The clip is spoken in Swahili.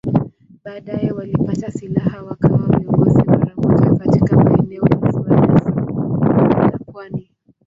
Baadaye walipata silaha wakawa viongozi mara moja katika maeneo ya Ziwa Nyasa na pwani.